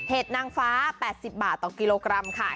นางฟ้า๘๐บาทต่อกิโลกรัมค่ะ